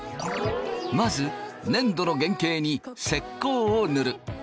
まず粘土の原型に石膏を塗る。